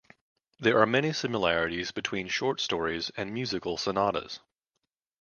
There are many similarities between short stories and musical sonatas.